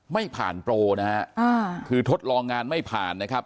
ไม่ผ่านโปรนะฮะคือทดลองงานไม่ผ่านนะครับ